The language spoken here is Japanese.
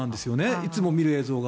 いつも見る映像が。